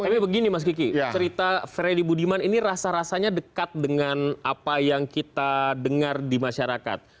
tapi begini mas kiki cerita freddy budiman ini rasa rasanya dekat dengan apa yang kita dengar di masyarakat